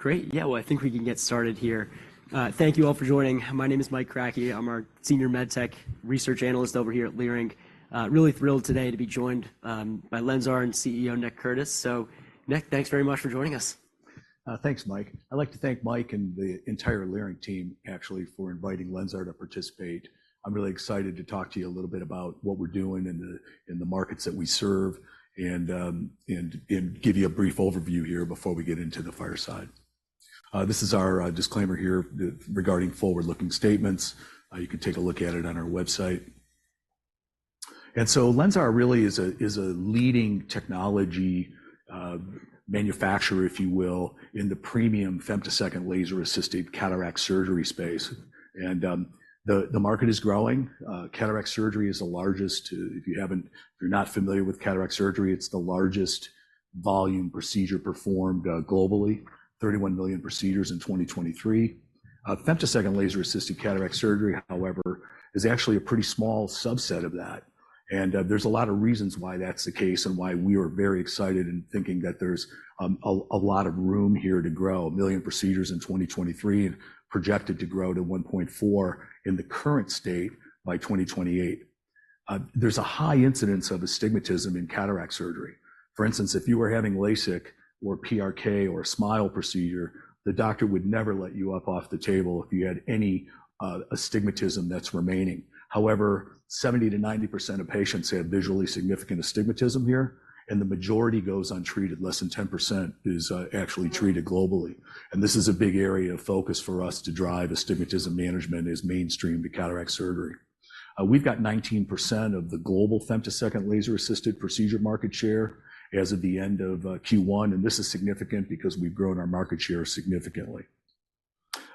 Great! Yeah, well, I think we can get started here. Thank you all for joining. My name is Mike Kratky. I'm our Senior MedTech Research Analyst over here at Leerink. Really thrilled today to be joined by LENSAR CEO, Nick Curtis. So Nick, thanks very much for joining us. Thanks, Mike. I'd like to thank Mike and the entire Leerink team, actually, for inviting LENSAR to participate. I'm really excited to talk to you a little bit about what we're doing and the markets that we serve, and give you a brief overview here before we get into the fireside. This is our disclaimer here, regarding forward-looking statements. You can take a look at it on our website. So, LENSAR really is a leading technology manufacturer, if you will, in the premium femtosecond laser-assisted cataract surgery space. The market is growing. Cataract surgery is the largest, if you haven't, if you're not familiar with cataract surgery, it's the largest volume procedure performed globally, 31 million procedures in 2023. Femtosecond laser-assisted cataract surgery, however, is actually a pretty small subset of that, and there's a lot of reasons why that's the case and why we are very excited and thinking that there's a lot of room here to grow. One million procedures in 2023, and projected to grow to 1.4 in the current state by 2028. There's a high incidence of astigmatism in cataract surgery. For instance, if you were having LASIK or PRK or SMILE procedure, the doctor would never let you up off the table if you had any astigmatism that's remaining. However, 70%-90% of patients have visually significant astigmatism here, and the majority goes untreated. Less than 10% is actually treated globally. And this is a big area of focus for us to drive astigmatism management as mainstream to cataract surgery. We've got 19% of the global femtosecond laser-assisted procedure market share as of the end of Q1, and this is significant because we've grown our market share significantly.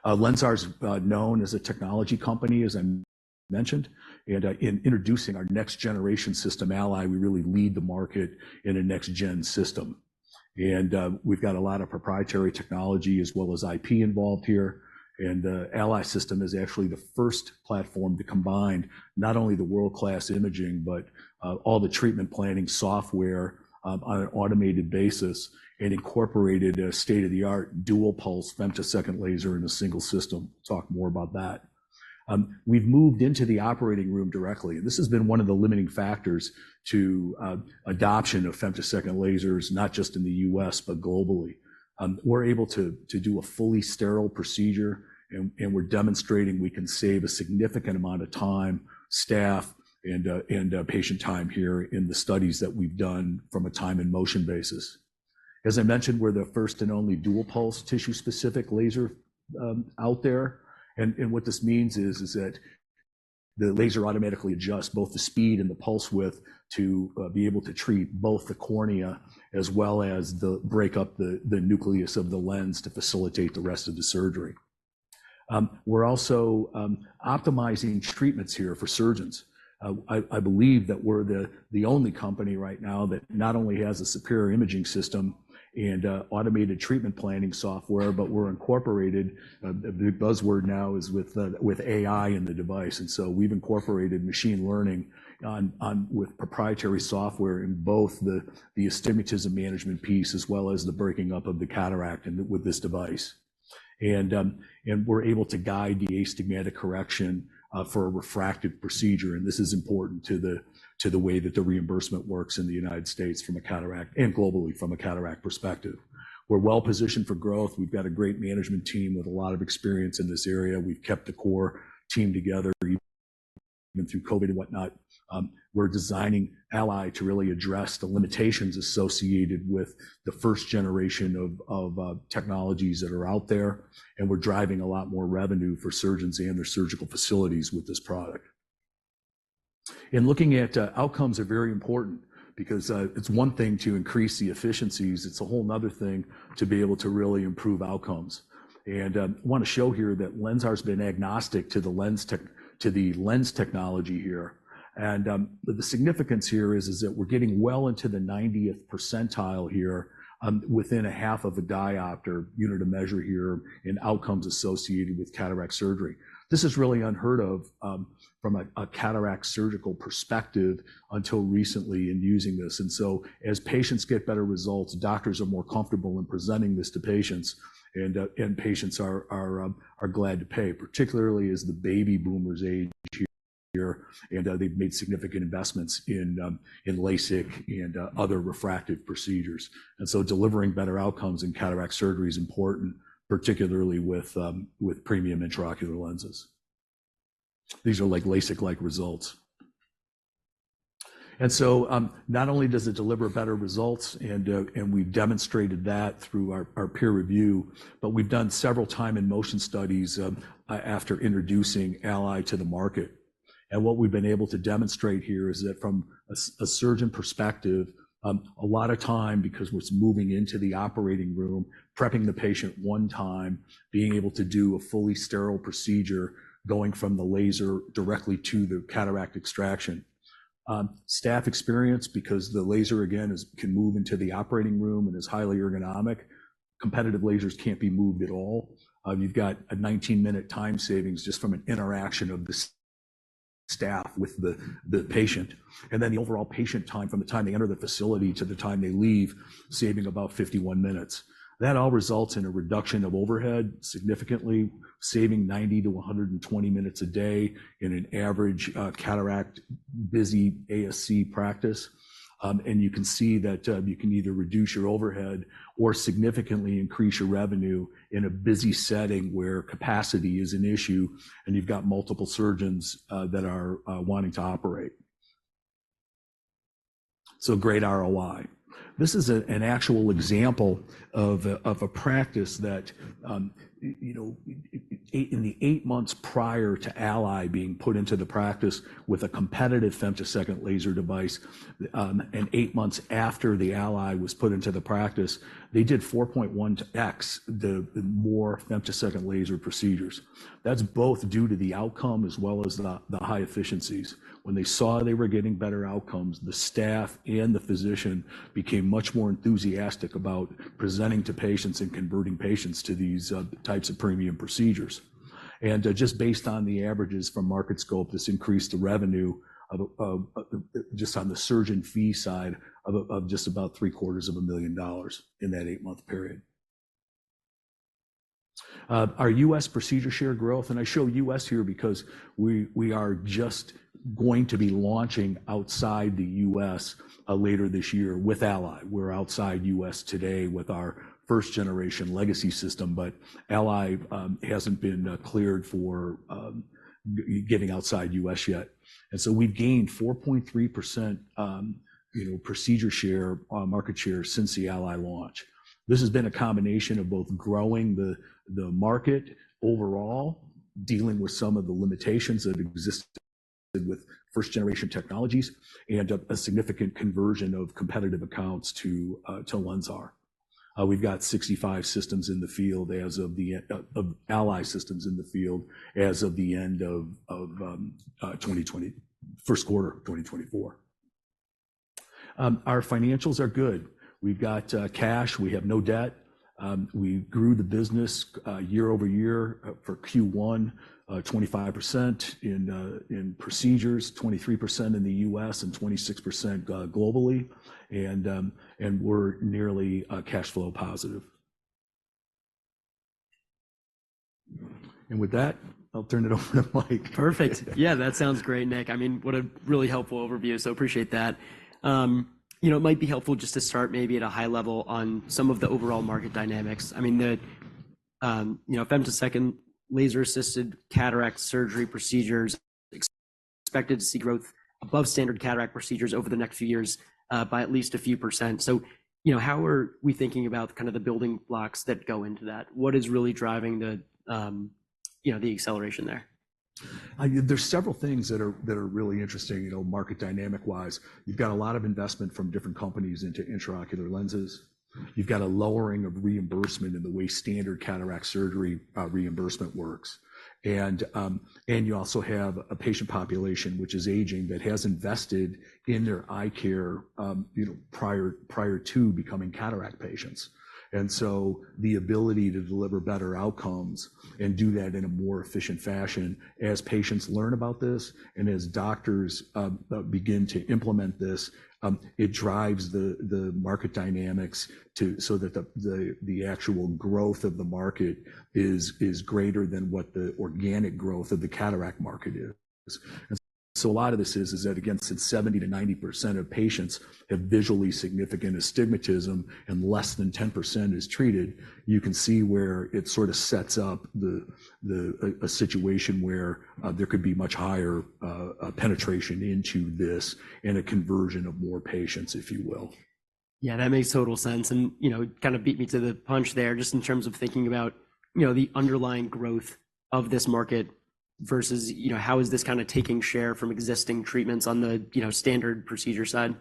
LENSAR is known as a technology company, as I mentioned, and in introducing our next generation system, ALLY, we really lead the market in a next-gen system. We've got a lot of proprietary technology as well as IP involved here. And the ALLY system is actually the first platform to combine not only the world-class imaging, but all the treatment planning software on an automated basis, and incorporated a state-of-the-art dual pulse femtosecond laser in a single system. Talk more about that. We've moved into the operating room directly, and this has been one of the limiting factors to adoption of femtosecond lasers, not just in the U.S., but globally. We're able to do a fully sterile procedure, and we're demonstrating we can save a significant amount of time, staff, and patient time here in the studies that we've done from a time and motion basis. As I mentioned, we're the first and only dual pulse tissue-specific laser out there. And what this means is that the laser automatically adjusts both the speed and the pulse width to be able to treat both the cornea as well as break up the nucleus of the lens to facilitate the rest of the surgery. We're also optimizing treatments here for surgeons. I believe that we're the only company right now that not only has a superior imaging system and a automated treatment planning software, but we're incorporated... The buzzword now is with AI in the device, and so we've incorporated machine learning with proprietary software in both the astigmatism management piece, as well as the breaking up of the cataract and with this device. And we're able to guide the astigmatic correction for a refractive procedure, and this is important to the way that the reimbursement works in the United States from a cataract, and globally, from a cataract perspective. We're well positioned for growth. We've got a great management team with a lot of experience in this area. We've kept the core team together, even through COVID and whatnot. We're designing ALLY to really address the limitations associated with the first generation of technologies that are out there, and we're driving a lot more revenue for surgeons and their surgical facilities with this product. Looking at outcomes are very important because it's one thing to increase the efficiencies, it's a whole another thing to be able to really improve outcomes. I want to show here that LENSAR's been agnostic to the lens technology here. The significance here is that we're getting well into the 90th percentile here within a half of a diopter unit of measure here in outcomes associated with cataract surgery. This is really unheard of from a cataract surgical perspective until recently in using this. And so, as patients get better results, doctors are more comfortable in presenting this to patients, and patients are glad to pay, particularly as the baby boomers age here, and they've made significant investments in LASIK and other refractive procedures. And so, delivering better outcomes in cataract surgery is important, particularly with premium intraocular lenses. These are like LASIK-like results. And so, not only does it deliver better results, and we've demonstrated that through our peer review, but we've done several time and motion studies after introducing ALLY to the market. And what we've been able to demonstrate here is that from a surgeon perspective, a lot of time, because we're moving into the operating room, prepping the patient one time, being able to do a fully sterile procedure, going from the laser directly to the cataract extraction. Staff experience, because the laser, again, can move into the operating room and is highly ergonomic. Competitive lasers can't be moved at all. You've got a 19-minute time savings just from an interaction of the staff with the patient, and then the overall patient time from the time they enter the facility to the time they leave, saving about 51 minutes. That all results in a reduction of overhead, significantly saving 90-120 minutes a day in an average cataract busy ASC practice. And you can see that, you can either reduce your overhead or significantly increase your revenue in a busy setting where capacity is an issue and you've got multiple surgeons that are wanting to operate. So great ROI. This is an actual example of a practice that, you know, in the eight months prior to ALLY being put into the practice with a competitive femtosecond laser device, and eight months after the ALLY was put into the practice, they did 4.1x more femtosecond laser procedures. That's both due to the outcome as well as the high efficiencies. When they saw they were getting better outcomes, the staff and the physician became much more enthusiastic about presenting to patients and converting patients to these types of premium procedures. And, just based on the averages from Market Scope, this increased the revenue of just on the surgeon fee side of just about $750,000 in that eight-month period. Our US procedure share growth, and I show U.S. here because we are just going to be launching outside the U.S. later this year with AALLYlly. We're outside U.S. today with our first-generation legacy system, but ALLY hasn't been cleared for getting outside U.S. yet. And so we've gained 4.3%, you know, procedure share, market share since the ALLY launch. This has been a combination of both growing the market overall, dealing with some of the limitations that exist with first-generation technologies, and a significant conversion of competitive accounts to LENSAR. We've got 65 ALLY systems in the field as of the end of the first quarter of 2024. Our financials are good. We've got cash. We have no debt. We grew the business year-over-year for Q1 25% in procedures, 23% in the U.S., and 26% globally, and we're nearly cash flow positive. With that, I'll turn it over to Mike. Perfect. Yeah, that sounds great, Nick. I mean, what a really helpful overview, so appreciate that. You know, it might be helpful just to start maybe at a high level on some of the overall market dynamics. I mean, femtosecond laser-assisted cataract surgery procedures expected to see growth above standard cataract procedures over the next few years, by at least a few percent. So, you know, how are we thinking about kind of the building blocks that go into that? What is really driving the acceleration there? There's several things that are, that are really interesting, you know, market dynamic wise. You've got a lot of investment from different companies into intraocular lenses. You've got a lowering of reimbursement in the way standard cataract surgery reimbursement works. And, and you also have a patient population, which is aging, that has invested in their eye care, you know, prior, prior to becoming cataract patients. And so the ability to deliver better outcomes and do that in a more efficient fashion as patients learn about this and as doctors begin to implement this, it drives the, the market dynamics so that the, the, the actual growth of the market is, is greater than what the organic growth of the cataract market is. And so a lot of this is that, again, since 70%-90% of patients have visually significant astigmatism and less than 10% is treated, you can see where it sort of sets up a situation where there could be much higher penetration into this and a conversion of more patients, if you will. Yeah, that makes total sense, and, you know, kind of beat me to the punch there, just in terms of thinking about, you know, the underlying growth of this market versus, you know, how is this kind of taking share from existing treatments on the, you know, standard procedure side?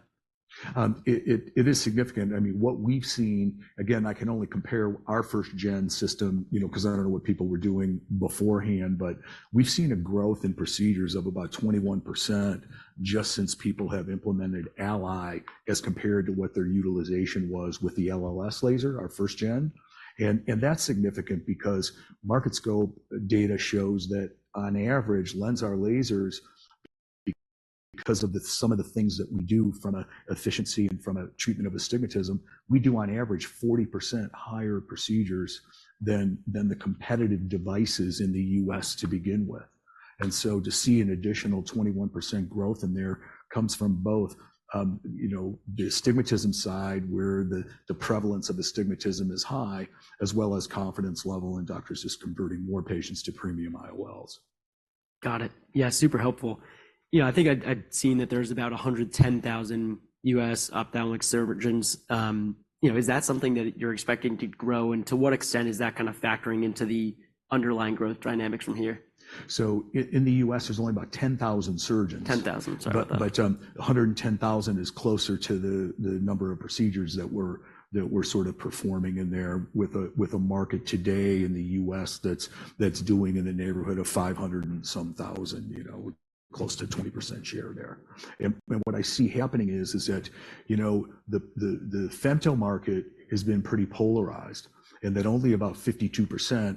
It is significant. I mean, what we've seen, again, I can only compare our first-gen system, you know, because I don't know what people were doing beforehand, but we've seen a growth in procedures of about 21% just since people have implemented ALLY, as compared to what their utilization was with the LLS laser, our first gen. And that's significant because Market Scope data shows that on average, LENSAR lasers, because of some of the things that we do from an efficiency and from a treatment of astigmatism, we do on average 40% higher procedures than the competitive devices in the U.S. to begin with. And so to see an additional 21% growth in there comes from both, you know, the astigmatism side, where the prevalence of astigmatism is high, as well as confidence level and doctors just converting more patients to premium IOLs. Got it. Yeah, super helpful. You know, I think I'd seen that there's about 110,000 U.S. ophthalmic surgeons. You know, is that something that you're expecting to grow, and to what extent is that kind of factoring into the underlying growth dynamics from here? In the U.S., there's only about 10,000 surgeons. 10,000, sorry about that. But, a 110,000 is closer to the number of procedures that we're sort of performing in there with a market today in the U.S. that's doing in the neighborhood of 500,000+, you know, close to that percent share there. And what I see happening is that, you know, the femto market has been pretty polarized, and that only about 52%—So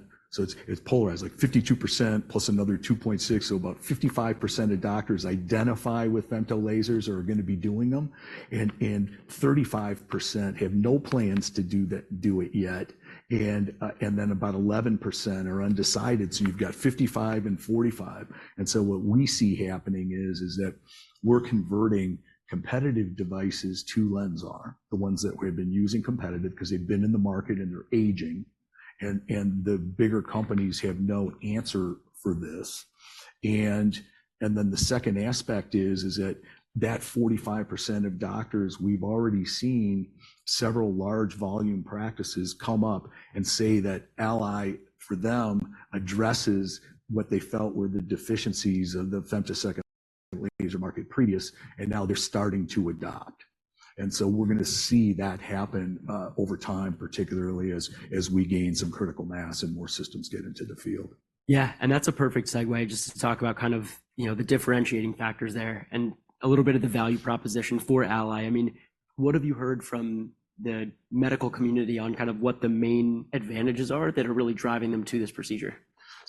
it's polarized, like 52% plus another 2.6, so about 55% of doctors identify with femto lasers or are gonna be doing them, and 35% percent have no plans to do it yet, and then about 11% are undecided. So you've got 55 and 45. What we see happening is that we're converting competitive devices to LENSAR, the ones that we've been using competitive, 'cause they've been in the market and they're aging, and the bigger companies have no answer for this. And then the second aspect is that 45% of doctors, we've already seen several large volume practices come up and say that ALLY, for them, addresses what they felt were the deficiencies of the femtosecond laser market previous, and now they're starting to adopt. And so we're gonna see that happen over time, particularly as we gain some critical mass and more systems get into the field. Yeah, and that's a perfect segue just to talk about kind of, you know, the differentiating factors there and a little bit of the value proposition for ALLY. I mean, what have you heard from the medical community on kind of what the main advantages are that are really driving them to this procedure?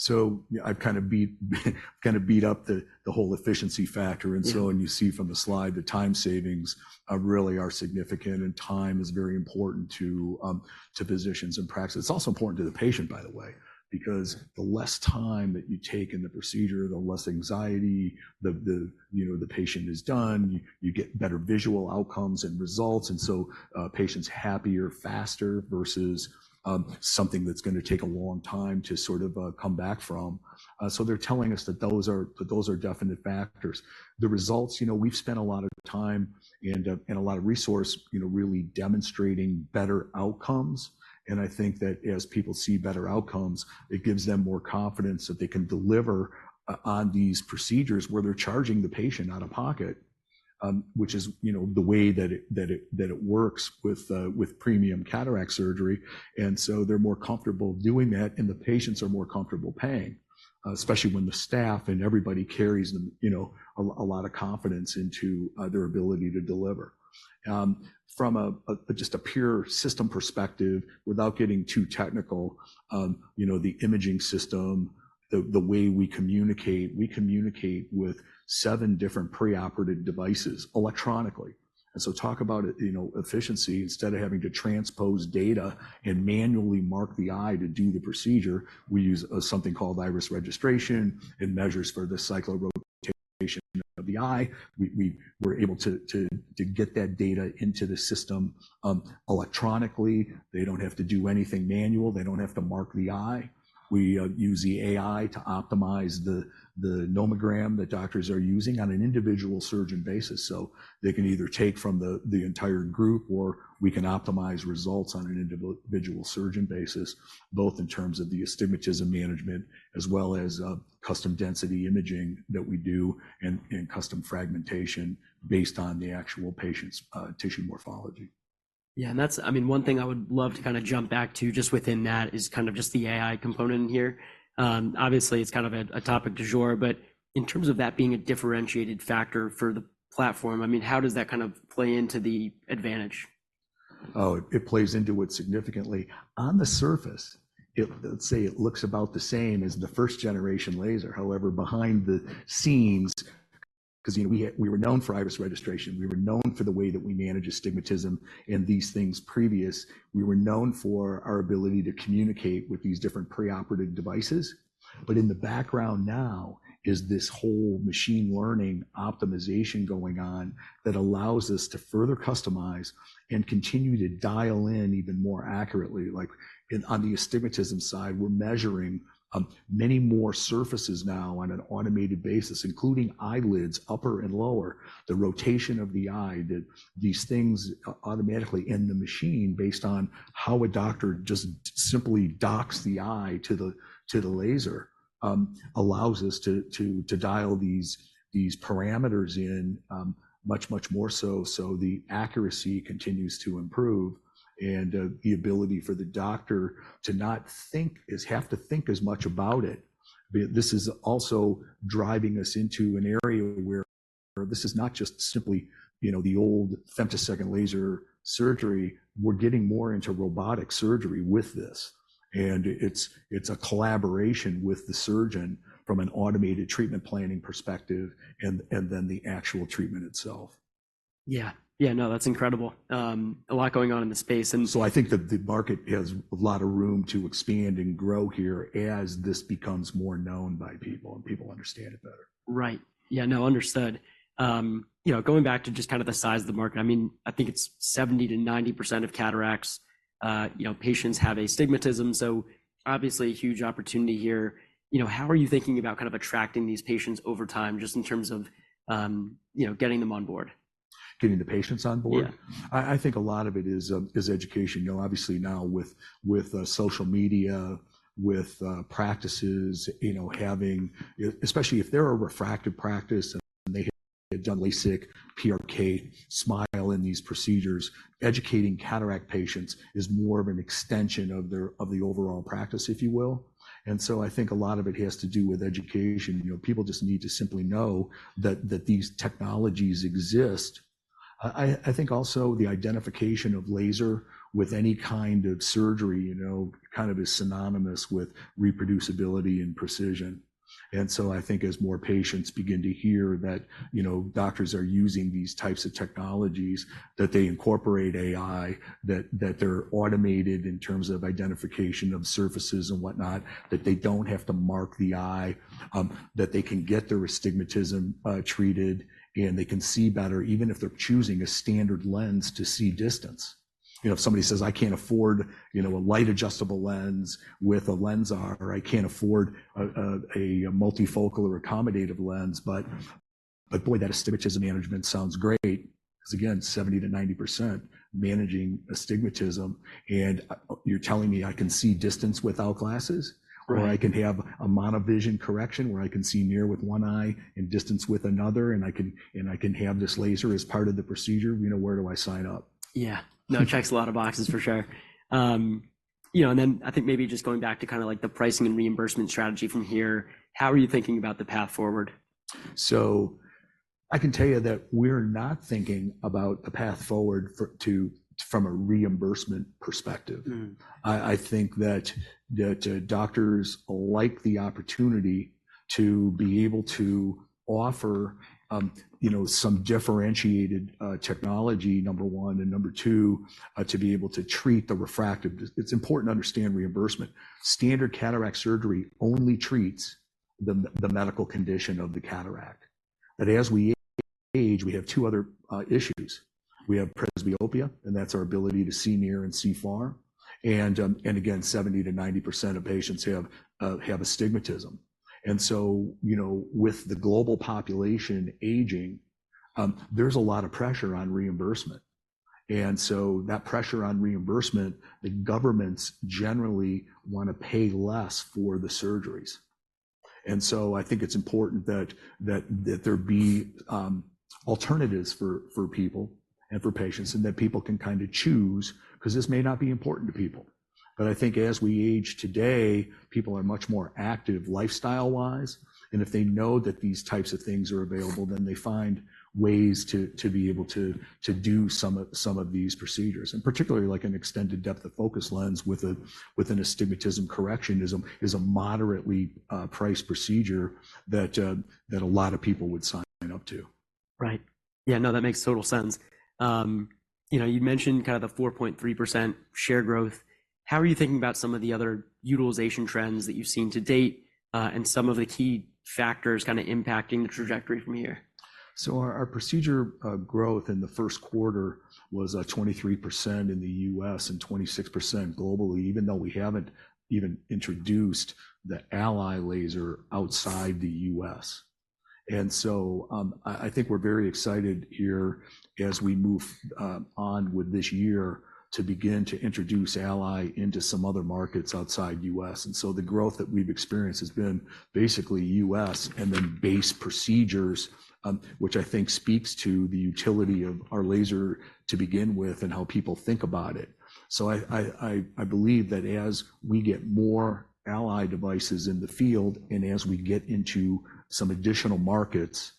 So I've kind of beat up the whole efficiency factor. Yeah. So when you see from the slide, the time savings really are significant, and time is very important to physicians and practices. It's also important to the patient, by the way, because the less time that you take in the procedure, the less anxiety, you know, the patient is done, you get better visual outcomes and results, and so patient's happier faster, versus something that's gonna take a long time to sort of come back from. So they're telling us that those are definite factors. The results, you know, we've spent a lot of time and a lot of resource, you know, really demonstrating better outcomes, and I think that as people see better outcomes, it gives them more confidence that they can deliver on these procedures where they're charging the patient out of pocket, which is, you know, the way that it works with premium cataract surgery, and so they're more comfortable doing that, and the patients are more comfortable paying, especially when the staff and everybody carries them, you know, a lot of confidence into their ability to deliver. From just a pure system perspective, without getting too technical, you know, the imaging system, the way we communicate with seven different pre-operative devices electronically. And so talk about, you know, efficiency, instead of having to transpose data and manually mark the eye to do the procedure, we use something called iris registration. It measures for the cyclorotation of the eye. We're able to get that data into the system electronically. They don't have to do anything manual. They don't have to mark the eye. We use the AI to optimize the nomogram that doctors are using on an individual surgeon basis. So they can either take from the entire group, or we can optimize results on an individual surgeon basis, both in terms of the astigmatism management as well as custom density imaging that we do and custom fragmentation based on the actual patient's tissue morphology. Yeah, and that's, I mean, one thing I would love to kind of jump back to just within that is kind of just the AI component in here. Obviously, it's kind of a topic du jour, but in terms of that being a differentiated factor for the platform, I mean, how does that kind of play into the advantage? Oh, it plays into it significantly. On the surface, it, let's say it looks about the same as the first-generation laser. However, behind the scenes, because, you know, we were known for iris registration, we were known for the way that we manage astigmatism and these things previous, we were known for our ability to communicate with these different pre-operative devices. But in the background now is this whole machine learning optimization going on that allows us to further customize and continue to dial in even more accurately. Like, in on the astigmatism side, we're measuring many more surfaces now on an automated basis, including eyelids, upper and lower, the rotation of the eye, these things automatically in the machine based on how a doctor just simply docks the eye to the laser, allows us to dial these parameters in much more so the accuracy continues to improve, and the ability for the doctor to not have to think as much about it. But this is also driving us into an area where this is not just simply, you know, the old femtosecond laser surgery. We're getting more into robotic surgery with this, and it's a collaboration with the surgeon from an automated treatment planning perspective and then the actual treatment itself. Yeah. Yeah, no, that's incredible. A lot going on in the space, and- I think that the market has a lot of room to expand and grow here as this becomes more known by people, and people understand it better. Right. Yeah, no, understood. You know, going back to just kind of the size of the market, I mean, I think it's 70%-90% of cataracts, you know, patients have astigmatism, so obviously a huge opportunity here. You know, how are you thinking about kind of attracting these patients over time, just in terms of, you know, getting them on board? Getting the patients on board? Yeah. I think a lot of it is education. You know, obviously now with, with, social media, with, practices, you know, having especially if they're a refractive practice and they've done LASIK, PRK, SMILE in these procedures. Educating cataract patients is more of an extension of their, of the overall practice, if you will. And so I think a lot of it has to do with education. You know, people just need to simply know that these technologies exist. I think also the identification of laser with any kind of surgery, you know, kind of is synonymous with reproducibility and precision. And so I think as more patients begin to hear that, you know, doctors are using these types of technologies, that they incorporate AI, that they're automated in terms of identification of surfaces and whatnot, that they don't have to mark the eye, that they can get their astigmatism treated, and they can see better, even if they're choosing a standard lens to see distance. You know, if somebody says, "I can't afford, you know, a Light Adjustable Lens with a LENSAR, or I can't afford a multifocal or accommodative lens, but boy, that astigmatism management sounds great," because, again, 70%-90% managing astigmatism, "and you're telling me I can see distance without glasses? Right. Or I can have a monovision correction, where I can see near with one eye and distance with another, and I can, and I can have this laser as part of the procedure, you know, where do I sign up? Yeah. No, checks a lot of boxes, for sure. You know, and then I think maybe just going back to kind of like the pricing and reimbursement strategy from here, how are you thinking about the path forward? I can tell you that we're not thinking about a path forward from a reimbursement perspective. Mm. I think that the doctors like the opportunity to be able to offer, you know, some differentiated technology, number one, and number two, to be able to treat the refractive... It's important to understand reimbursement. Standard cataract surgery only treats the medical condition of the cataract, that as we age, we have two other issues. We have presbyopia, and that's our ability to see near and see far, and again, 70%-90% of patients have astigmatism. And so, you know, with the global population aging, there's a lot of pressure on reimbursement. And so that pressure on reimbursement, the governments generally want to pay less for the surgeries. I think it's important that there be alternatives for people and for patients, and that people can kind of choose, 'cause this may not be important to people. But I think as we age today, people are much more active lifestyle-wise, and if they know that these types of things are available, then they find ways to be able to do some of these procedures, and particularly, like an extended depth of focus lens with an astigmatism correction is a moderately priced procedure that a lot of people would sign up to. Right. Yeah, no, that makes total sense. You know, you mentioned kind of the 4.3% share growth. How are you thinking about some of the other utilization trends that you've seen to date, and some of the key factors kind of impacting the trajectory from here? So our procedure growth in the first quarter was 23% in the U.S. and 26% globally, even though we haven't even introduced the ALLY laser outside the U.S. And so I think we're very excited here as we move on with this year to begin to introduce ALLY into some other markets outside U.S. And so the growth that we've experienced has been basically U.S. and then base procedures, which I think speaks to the utility of our laser to begin with and how people think about it. So I believe that as we get more ALLY devices in the field, and as we get into some additional markets,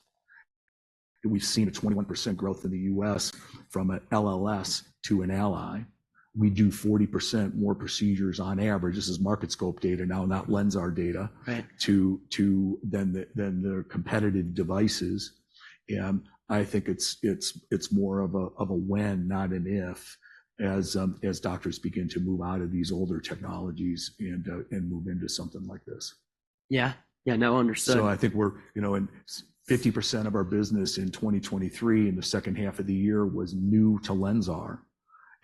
we've seen a 21% growth in the U.S. from an LLS to an ALLY. We do 40% more procedures on average, this is Market Scope data now, not LENSAR data. Right... to than the competitive devices. And I think it's more of a when, not an if, as doctors begin to move out of these older technologies and move into something like this. Yeah. Yeah, no, understood. So I think we're, you know, 50% of our business in 2023, in the second half of the year, was new to LENSAR.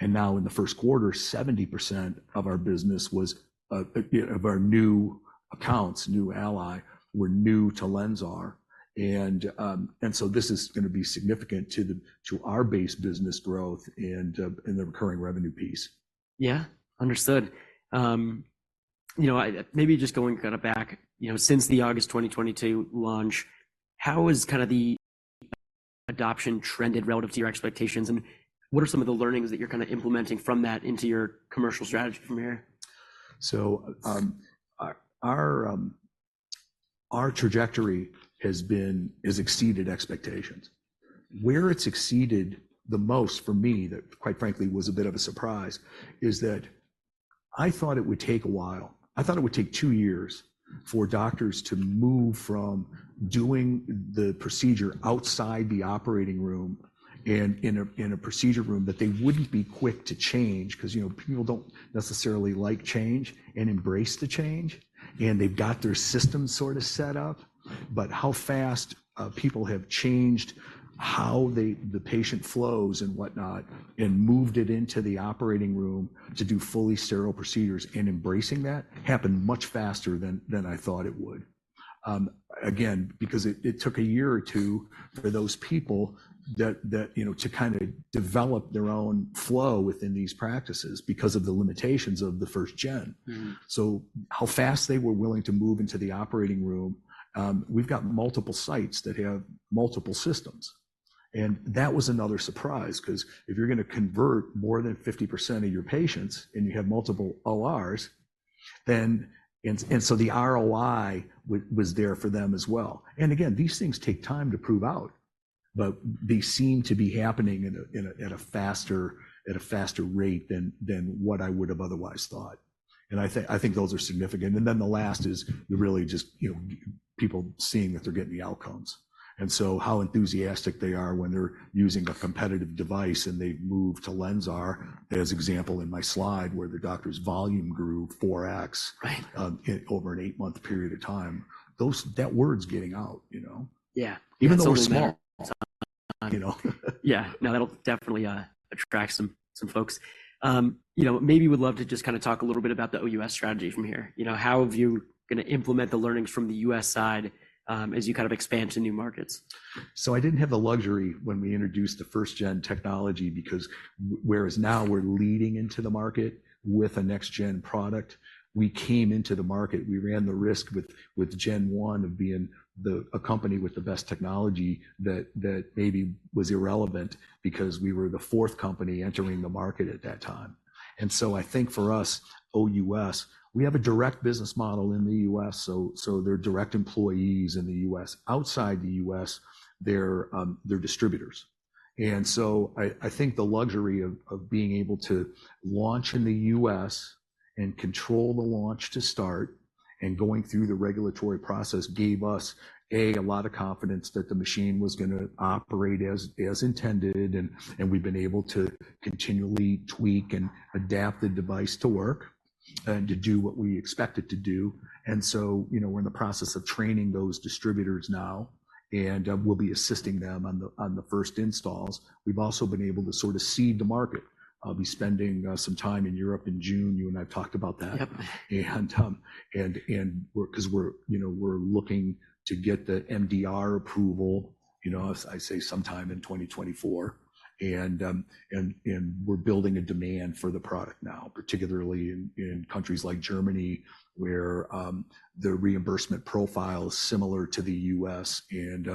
And now in the first quarter, 70% of our business was of our new accounts, new ALLY, were new to LENSAR. And so this is gonna be significant to the, to our base business growth and in the recurring revenue piece. Yeah, understood. You know, maybe just going kind of back, you know, since the August 2022 launch, how has kind of the adoption trended relative to your expectations, and what are some of the learnings that you're kind of implementing from that into your commercial strategy from here? So, our trajectory has exceeded expectations. Where it's exceeded the most for me, that quite frankly, was a bit of a surprise, is that I thought it would take a while. I thought it would take two years for doctors to move from doing the procedure outside the operating room and in a procedure room, that they wouldn't be quick to change, 'cause, you know, people don't necessarily like change and embrace the change, and they've got their system sort of set up. But how fast, people have changed, how they... the patient flows and whatnot, and moved it into the operating room to do fully sterile procedures and embracing that, happened much faster than I thought it would. Again, because it took a year or two for those people that you know, to kind of develop their own flow within these practices because of the limitations of the first gen. Mm-hmm. So how fast they were willing to move into the operating room, we've got multiple sites that have multiple systems.... And that was another surprise, because if you're gonna convert more than 50% of your patients and you have multiple ORs, then, and, and so the ROI w- was there for them as well. And again, these things take time to prove out, but they seem to be happening in a, in a, at a faster, at a faster rate than, than what I would have otherwise thought. And I think, I think those are significant. And then the last is really just, you know, people seeing that they're getting the outcomes. And so how enthusiastic they are when they're using a competitive device and they've moved to LENSAR, as example in my slide, where the doctor's volume grew 4x- Right over an eight-month period of time. Those, that word's getting out, you know? Yeah. Even though we're small, you know? Yeah. No, that'll definitely attract some, some folks. You know, maybe would love to just kinda talk a little bit about the OUS strategy from here. You know, how have you gonna implement the learnings from the U.S. side, as you kind of expand to new markets? So I didn't have the luxury when we introduced the first gen technology, because whereas now we're leading into the market with a next gen product, we came into the market, we ran the risk with gen one of being a company with the best technology that maybe was irrelevant because we were the fourth company entering the market at that time. And so I think for us, OUS, we have a direct business model in the U.S., so they're direct employees in the U.S. Outside the U.S., they're distributors. And so I think the luxury of being able to launch in the U.S. and control the launch to start and going through the regulatory process gave us a lot of confidence that the machine was gonna operate as intended, and we've been able to continually tweak and adapt the device to work, and to do what we expect it to do. And so, you know, we're in the process of training those distributors now, and we'll be assisting them on the first installs. We've also been able to sort of seed the market. I'll be spending some time in Europe in June, you and I have talked about that. Yep. 'Cause we're, you know, we're looking to get the MDR approval, you know, as I say, sometime in 2024. We're building a demand for the product now, particularly in countries like Germany, where the reimbursement profile is similar to the U.S., and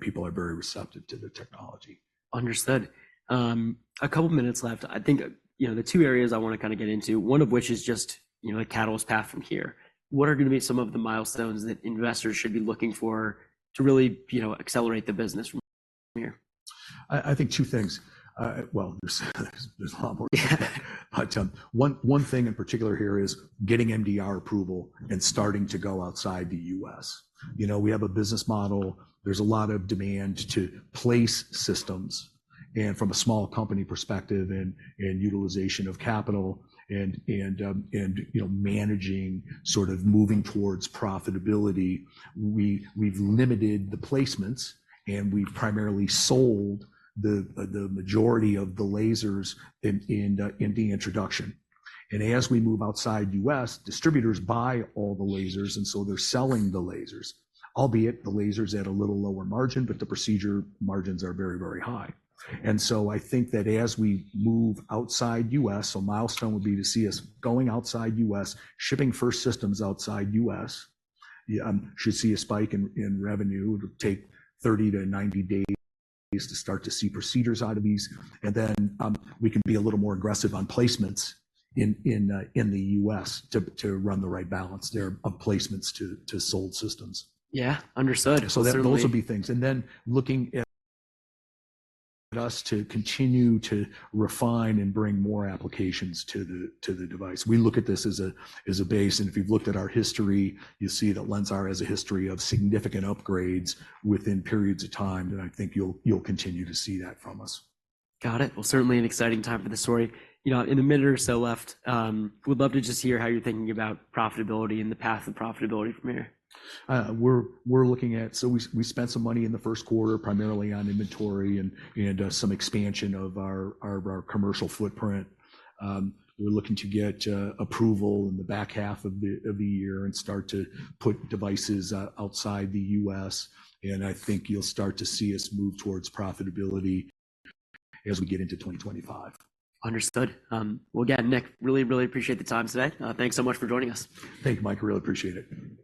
people are very receptive to the technology. Understood. A couple minutes left. I think, you know, the two areas I want to kinda get into, one of which is just, you know, a catalyst path from here. What are gonna be some of the milestones that investors should be looking for to really, you know, accelerate the business from here? I think two things. Well, there's a lot more. Yeah. But one thing in particular here is getting MDR approval and starting to go outside the U.S. You know, we have a business model, there's a lot of demand to place systems, and from a small company perspective and utilization of capital and, you know, managing, sort of moving towards profitability, we, we've limited the placements, and we've primarily sold the majority of the lasers in the introduction. And as we move outside U.S., distributors buy all the lasers, and so they're selling the lasers. Albeit, the laser is at a little lower margin, but the procedure margins are very, very high. And so I think that as we move outside U.S., so milestone would be to see us going outside U.S., shipping first systems outside U.S., should see a spike in revenue. It would take 30-90 days to start to see procedures out of these, and then we can be a little more aggressive on placements in the U.S. to run the right balance there of placements to sold systems. Yeah, understood. So those will be things. And then looking at us to continue to refine and bring more applications to the, to the device. We look at this as a, as a base, and if you've looked at our history, you see that LENSAR has a history of significant upgrades within periods of time, and I think you'll, you'll continue to see that from us. Got it. Well, certainly an exciting time for the story. You know, in a minute or so left, would love to just hear how you're thinking about profitability and the path of profitability from here. We're looking at. So we spent some money in the first quarter, primarily on inventory and some expansion of our commercial footprint. We're looking to get approval in the back half of the year and start to put devices outside the U.S., and I think you'll start to see us move towards profitability as we get into 2025. Understood. Well, again, Nick, really, really appreciate the time today. Thanks so much for joining us. Thank you, Mike. I really appreciate it.